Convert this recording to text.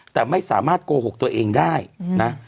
แต่ไม่สามารถโกหกตัวเองได้นะ